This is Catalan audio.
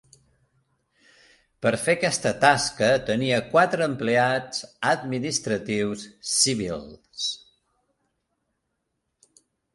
Per fer aquesta tasca, tenia quatre empleats administratius civils.